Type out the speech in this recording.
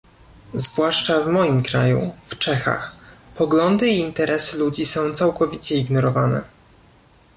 Zwłaszcza w moim kraju, w Czechach, poglądy i interesy ludzi są całkowicie ignorowane